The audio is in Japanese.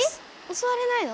襲われないの？